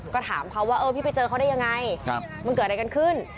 ก็ถามเขาว่าเออพี่ไปเจอเขาได้ยังไงมันเกิดอะไรกันขึ้น